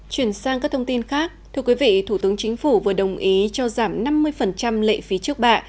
chuyển sang các thông tin khác thưa quý vị thủ tướng chính phủ vừa đồng ý cho giảm năm mươi lệ phí trước bạ